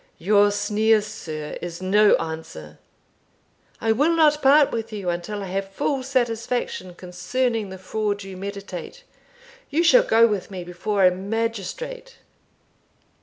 "Your sneer, sir, is no answer; I will not part with you until I have full satisfaction concerning the fraud you meditate you shall go with me before a magistrate."